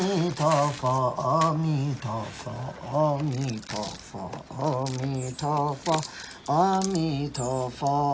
สวัสดีครับทุกคน